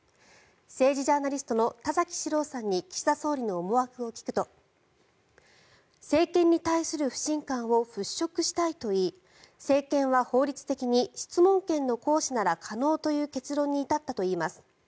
政治ジャーナリストの田崎史郎さんに岸田総理の思惑を聞くと政権に対する不信感を払しょくしたいといい政権は法律的に質問権の行使なら可能という結論に至ったといいます。